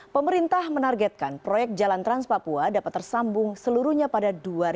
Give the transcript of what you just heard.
pemerintah menargetkan proyek jalan trans papua dapat tersambung seluruhnya pada dua ribu dua puluh